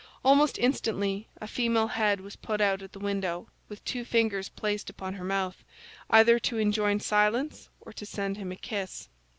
Almost instantly a female head was put out at the window, with two fingers placed upon her mouth, either to enjoin silence or to send him a kiss.